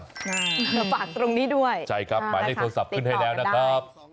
ฝากตรงนี้ด้วยติดต่อไปได้ส่องน้ำใช่ครับติดต่อไปได้ใช่ครับหมายถึงโทรศัพท์ขึ้นให้แล้วนะครับ